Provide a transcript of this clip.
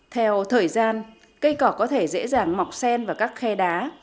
theo thời gian cây cỏ có thể dễ dàng mọc sen và các khe đá